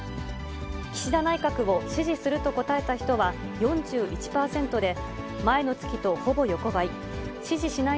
岸田内閣を支持すると答えた人は４１％で、前の月とほぼ横ばい。